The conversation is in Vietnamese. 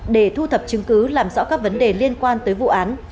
để thu thập chứng cứ làm rõ các vấn đề liên quan tới vụ án